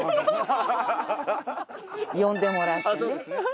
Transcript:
呼んでもらってね。